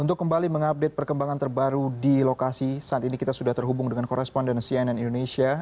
untuk kembali mengupdate perkembangan terbaru di lokasi saat ini kita sudah terhubung dengan koresponden cnn indonesia